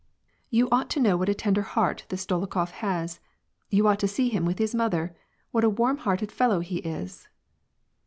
" You ought to know WAR AND PEACE. 45 what a tender heart this Dolokhof has, you ought to see him with his mother ! what a warm hearted fellow he is